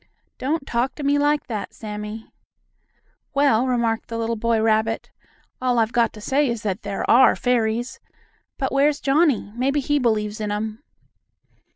"Don't talk to me like that, Sammie." "Well," remarked the little boy rabbit, "all I've got to say is that there are fairies! But where's Johnnie? Maybe he believes in 'em."